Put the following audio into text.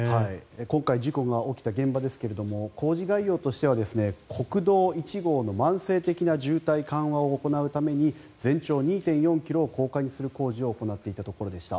今回、事故が起きた現場ですが工事概要としては国道１号の慢性的な渋滞緩和を行うために全長２．４ｋｍを高架にする工事を行っていたところでした。